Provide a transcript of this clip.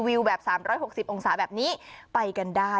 แบบ๓๖๐องศาแบบนี้ไปกันได้